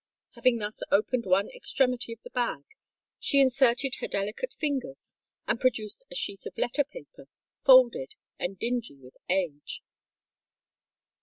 Having thus opened one extremity of the bag, she inserted her delicate fingers, and produced a sheet of letter paper, folded, and dingy with age.